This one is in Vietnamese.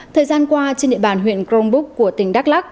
thời gian qua trên địa bàn huyện cronbuc của tỉnh đắk lắc